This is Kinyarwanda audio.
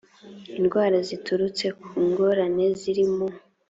indwara ziturutse ku ngorane ziri mu